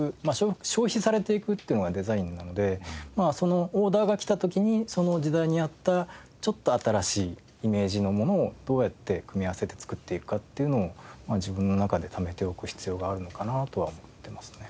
消費されていくっていうのがデザインなのでそのオーダーが来た時にその時代に合ったちょっと新しいイメージのものをどうやって組み合わせて作っていくかっていうのを自分の中でためておく必要があるのかなとは思ってますね。